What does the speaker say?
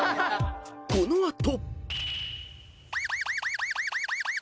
［この後］